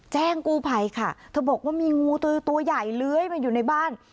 แจ้งกู้ภัยค่ะเธอบอกว่ามีงูตัวใหญ่เลื้อยมาอยู่ในบ้าน